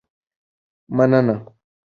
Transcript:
مننه.